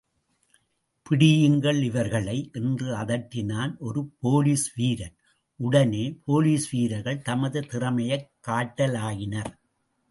பிடியுங்கள் இவர்களை! என்று அதட்டினான் ஒரு போலீஸ் வீரன், உடனே போலீஸ் வீரர்கள் தமது திறமையைக் காட்டலாயினர்.